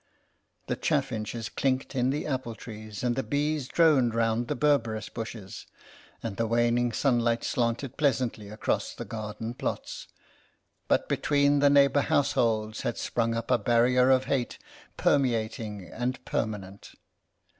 The chaffinches clinked in the apple trees and the bees droned round the berberis bushes, and the waning sunlight slanted pleasantly across the garden plots, but between the neighbour households had sprung up a barrier of hate, permeating and permanent.